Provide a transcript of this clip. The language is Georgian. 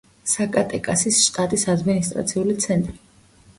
საკატეკასის შტატის ადმინისტრაციული ცენტრი.